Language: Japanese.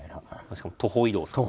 しかも徒歩移動ですから。